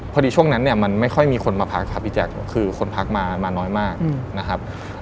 ช่วงนั้นเนี่ยมันไม่ค่อยมีคนมาพักครับพี่แจ๊คคือคนพักมาน้อยมากนะครับ